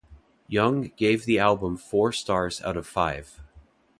Yeung gave the album four stars out of five.